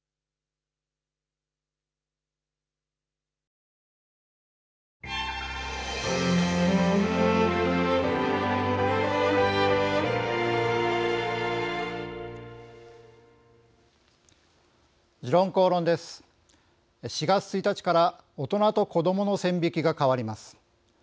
４月１日から大人と子どもの線引きが変わります。